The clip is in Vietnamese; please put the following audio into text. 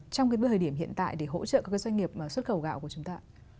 trong cái bữa điểm hiện tại để hỗ trợ các doanh nghiệp xuất khẩu gạo của chúng ta